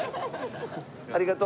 ありがとう。